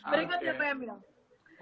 berikutnya pak emil